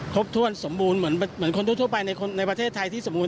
ครบถ้วนสมบูรณ์เหมือนคนทั่วไปในประเทศไทยที่สมบูรณ